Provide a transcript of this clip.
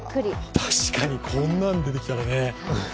確かにこんなの出てきたらね。